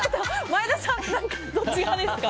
前田さん、どっち派ですか？